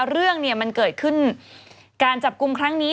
เรื่องมันเกิดขึ้นการจับกุมครั้งนี้